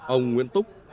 ông nguyễn túc